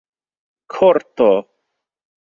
korto